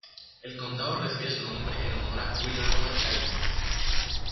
El condado recibe su nombre en honor a William Robert Taylor.